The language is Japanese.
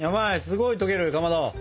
すごい溶けるよかまど。